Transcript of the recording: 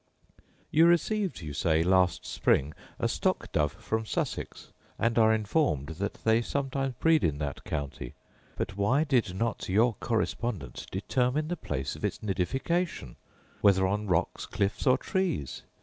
You received, you say, last spring a stock dove from Sussex; and are informed that they sometimes breed in that county. But why did not your correspondent determine the place of its nidification, whether on rocks, cliffs, or trees